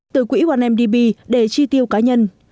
từ quỹ một mdb để chi tiêu cá nhân